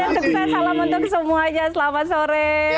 jaga momeda sukses salam untuk semuanya selamat sore